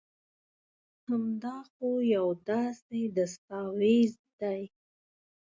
هم دا خو يو داسي دستاويز دي